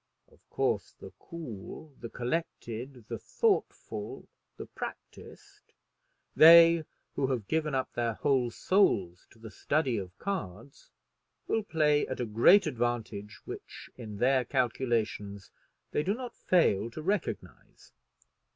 Of course, the cool, the collected, the thoughtful, the practised, they who have given up their whole souls to the study of cards, will play at a great advantage, which in their calculations they do not fail to recognize.